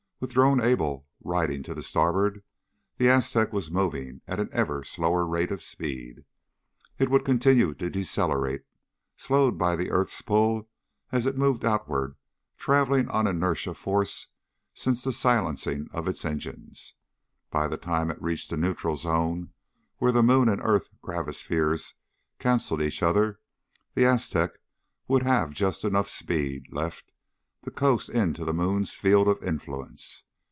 With Drone Able riding to starboard, the Aztec was moving at an ever slower rate of speed. It would continue to decelerate, slowed by the earth's pull as it moved outward, traveling on inertial force since the silencing of its engines. By the time it reached the neutral zone where the moon and earth gravispheres canceled each other, the Aztec would have just enough speed left to coast into the moon's field of influence.